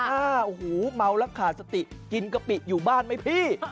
โอ้โหเมาแล้วขาดสติกินกะปิอยู่บ้านไหมพี่